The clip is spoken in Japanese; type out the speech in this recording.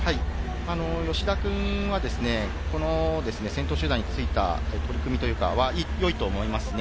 吉田くんは、この先頭集団についた取り組みは良いと思いますね。